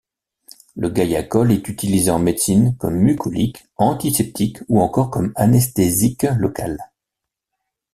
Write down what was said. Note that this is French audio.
Le guaiacol est utilisé en médecine comme mucolytique, antiseptique ou encore comme anesthésique local.